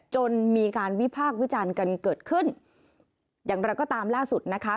จนมีการวิพากษ์วิจารณ์กันเกิดขึ้นอย่างไรก็ตามล่าสุดนะคะ